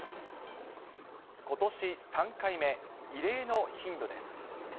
ことし３回目、異例の頻度です。